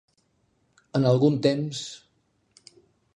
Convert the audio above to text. En algun temps.